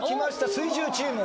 水１０チーム。